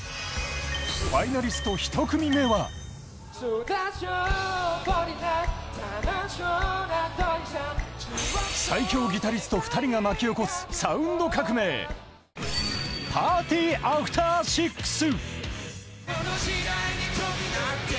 ファイナリスト１組目は最強ギタリスト２人が巻き起こすサウンド革命ＰＡＲＴＹＡＦＴＥＲＳＩＸ。